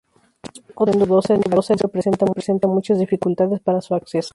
Otra explicación, dudosa, es que la cumbre presenta muchas dificultades para su acceso.